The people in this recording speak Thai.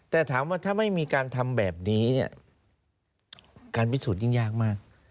แต่ถามว่าถ้าไม่มีการทำแบบนี้เนี่ยการพิสูจนยิ่งยากมาก